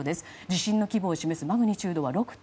地震の規模を示すマグニチュードは６．１。